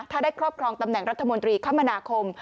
ถ้าได้ครอบครองตำแหน่งรัฐมนตรีคมนาคม